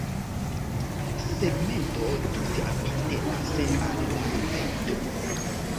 Segmento tute apartenas al la rekto.